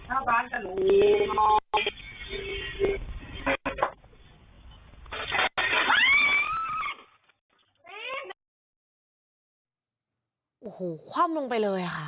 โอ้โหคว่ำลงไปเลยค่ะ